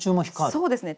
そうですね。